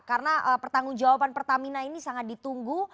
karena pertanggung jawaban pertamina ini sangat ditunggu